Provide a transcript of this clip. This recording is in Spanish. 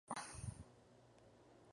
¿hubiesen vivido ustedes?